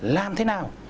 làm thế nào